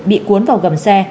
bị cuốn vào gầm xe